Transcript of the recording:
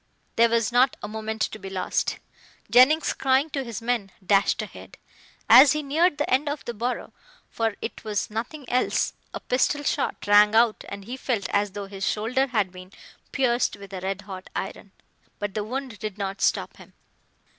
There was not a moment to be lost. Jennings, crying to his men, dashed ahead. As he neared the end of the burrow, for it was nothing else, a pistol shot rang out and he felt as though his shoulder had been pierced with a red hot iron. But the wound did not stop him.